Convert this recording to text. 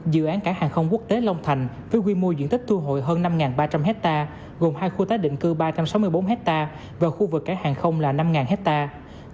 dự án cảng hàng không quốc tế long thành với quy mô diện tích thu hồi hơn năm ba trăm linh hectare gồm hai khu tái định cư ba trăm sáu mươi bốn hectare và khu vực cảng hàng không là năm hectare